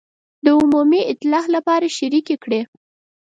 د عمومي اصلاح لپاره شریکې کړي.